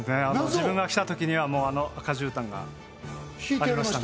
自分が来たときにはもうあの赤じゅうたんが敷いてありました？